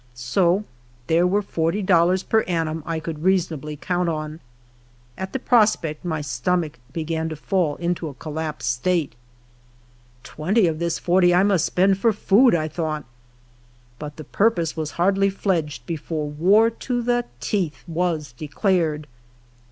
So there were forty dolhirs per annum I could reasonably count on. At the prospect my stomach began to fall into a collapsed state, *' Twenty of this forty I must spend for food," 1 thought. But the pur pose was hardly fledged before war to the teeth was de clared.